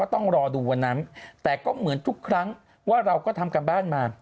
ต้องรอดูวันนั้นแต่ก็เหมือนทุกครั้งว่าเราก็ทำการบ้านมา